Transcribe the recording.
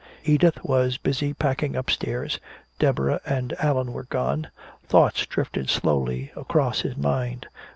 Edith was busy packing upstairs, Deborah and Allan were gone. Thoughts drifted slowly across his mind.